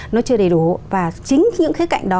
nó chưa đầy đủ và chính những cái cạnh đó